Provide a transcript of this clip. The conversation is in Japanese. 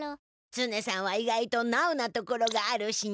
ツネさんは意外とナウなところがあるしのう。